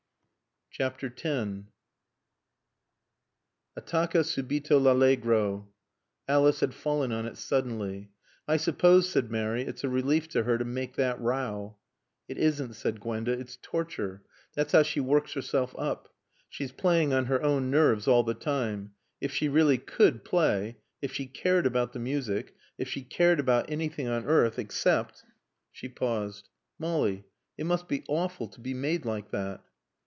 X "Attacca subito l'Allegro." Alice had fallen on it suddenly. "I suppose," said Mary, "it's a relief to her to make that row." "It isn't," said Gwenda. "It's torture. That's how she works herself up. She's playing on her own nerves all the time. If she really could play If she cared about the music If she cared about anything on earth except " She paused. "Molly, it must be awful to be made like that."